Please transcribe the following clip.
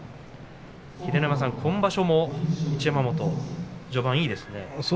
秀ノ山さん、今場所も一山本、序盤いいですね。